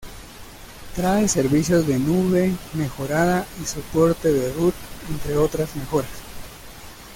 Trae servicios de nube mejorada y soporte de root, entre otras mejoras.